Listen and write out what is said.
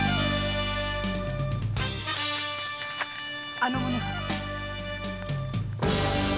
あの者が。